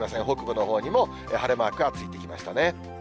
北部のほうにも晴れマークがついてきましたね。